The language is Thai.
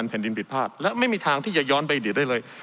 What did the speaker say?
แผ่นดินผิดพลาดและไม่มีทางที่จะย้อนใบเดือดได้เลย